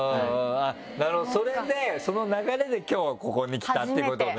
なるほどそれでその流れで今日はここに来たってことね。